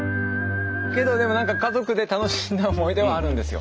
けどでも何か家族で楽しんだ思い出はあるんですよ。